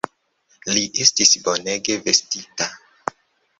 Li estis bonege vestita!